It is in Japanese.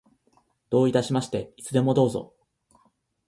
どういたしまして。いつでもどうぞ。